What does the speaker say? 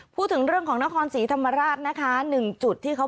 พูดถึงเรื่องของนครศรีธรรมราชนะคะหนึ่งจุดที่เขา